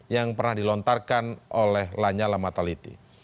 yang pernah dilontarkan oleh lanyala mataliti